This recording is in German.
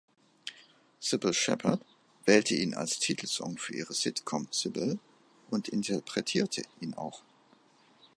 Cybill Shepherd wählte ihn als Titelsong für ihre Sitcom "Cybill" und interpretierte ihn auch.